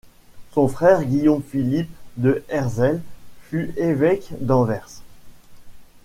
Son frère, Guillaume-Philippe de Herzelles, fut évêque d'Anvers.